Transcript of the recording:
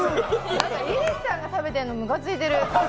何か井口さんが食べてるのむかついてる。